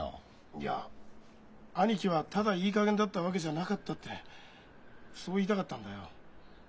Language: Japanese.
いや兄貴はただいいかげんだったわけじゃなかったってそう言いたかったんだよ。